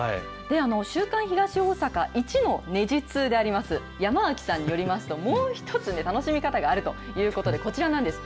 週間ひがしおおさかいちのねじ通であります、山脇さんによりますと、もう一つ楽しみ方があるということでこちらなんです。